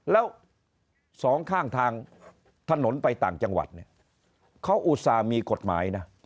แล้วสองข้างทางถนนไปต่างจังหวัดเนี่ยเขาอุตส่าห์มีกฎหมายนะ